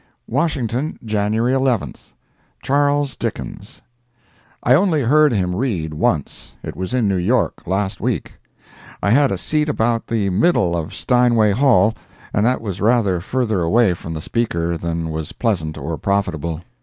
WASHINGTON, January 11th. Charles Dickens. I only heard him read once. It was in New York, last week. I had a seat about the middle of Steinway Hall, and that was rather further away from the speaker than was pleasant or profitable.